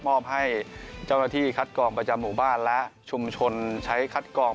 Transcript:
มอบให้เจ้าหน้าที่คัดกองประจำหมู่บ้านและชุมชนใช้คัดกอง